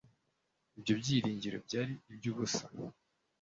ibyo byiringiro byari iby'ubusa